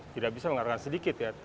tidak bisa mengarahkan sedikit ya